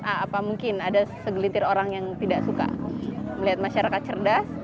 apa mungkin ada segelintir orang yang tidak suka melihat masyarakat cerdas